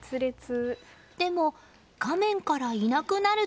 でも、画面からいなくなると。